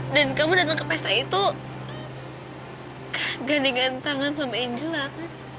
dan kamu datang ke pesta itu kaget dengan tangan sama angela kan